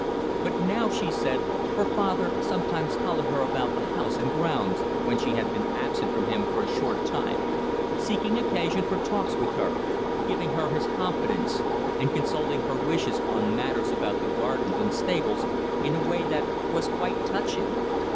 But now, she said, her father sometimes followed her about the house and grounds when she had been absent from him for a short time, seeking occasion for talks with her, giving her his confidence, and consulting her wishes on matters about the gardens and stables in a way that was quite touching.